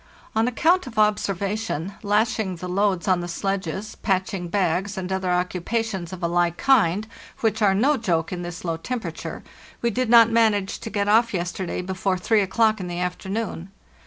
On account of observation, lashing the loads on the sledges, patching bags, and other occupations of a lke kind, which are no joke in this low temperature, we did not manage to get off yes terday before 3 o'clock in the afternoon.